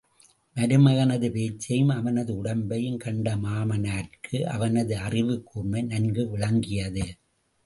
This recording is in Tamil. மருமகனது பேச்சையும், அவனது உடம்பையும் கண்ட மாமனார்க்கு, அவனது அறிவுக் கூர்மை நன்கு விளங்கியது.